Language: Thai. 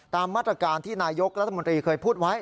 ตามมาตรการที่นายกรัฐมนตรีเคยพูดไว้